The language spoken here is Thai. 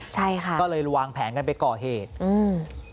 ใช่ค่ะก็เลยวางแผนกันไปก่อเหตุอืม